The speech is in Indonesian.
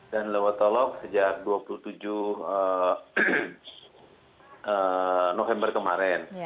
dan lebotolok sejak dua puluh tujuh november kemarin